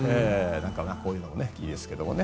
こういうのもいいですけどね。